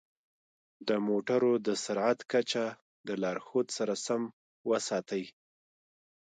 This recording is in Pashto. د موټرو د سرعت کچه د لارښود سره سم وساتئ.